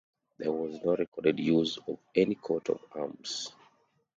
There was no recorded use of any coat of arms.